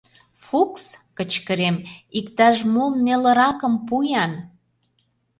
— Фукс, — кычкырем, — иктаж-мом нелыракым пу-ян!